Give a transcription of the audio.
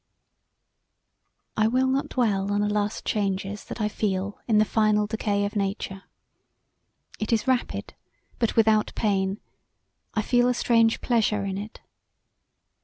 I will not dwell on the last changes that I feel in the final decay of nature. It is rapid but without pain: I feel a strange pleasure in it.